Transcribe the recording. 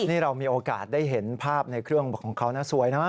นี่เรามีโอกาสได้เห็นภาพในเครื่องของเขานะสวยนะ